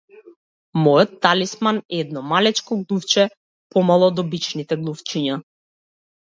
Мојот талисман е едно малечко глувче, помало од обичните глувчиња.